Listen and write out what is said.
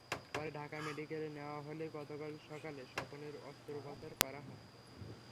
পরে ঢাকা মেডিকেলে নেওয়া হলে গতকাল সকালে স্বপনের অস্ত্রোপচার করা হয়।